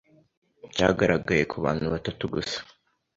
cyagaragaye ku bantu batatu gusa